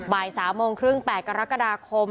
บ่าย๓โมงครึ่ง๘กรกฎาคม